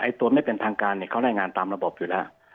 ไอ้ตัวไม่เป็นทางการเขาแรงงานตามระบบอยู่แล้ว